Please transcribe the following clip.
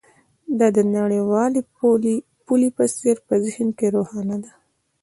دا د نړیوالې پولې په څیر په ذهن کې روښانه ده